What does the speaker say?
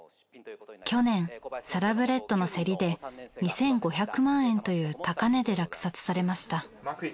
去年サラブレッドの競りで２，５００万円という高値で落札されました。